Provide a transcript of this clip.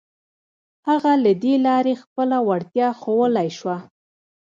هغه له دې لارې خپله وړتيا ښوولای شوه.